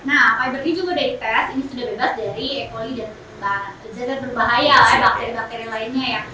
nah fibernya juga udah di tes ini sudah bebas dari ekoli dan benar benar berbahaya dari bakteri bakteri lainnya